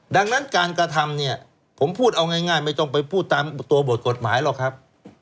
ดังนั้นการกระทำเนี่ยผมพูดเอาง่ายไม่ต้องไปพูดตามตัวบทกฎหมายหรอกครับ